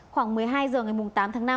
khoảng một mươi hai h ngày tám tháng năm